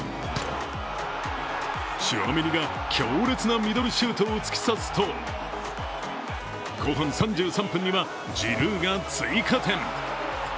チュアメニが強烈なミドルシュートを突き刺すと後半３３分には、ジルーが追加点。